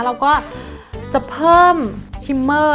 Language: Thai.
เราก็จะเพิ่มชิมเมอร์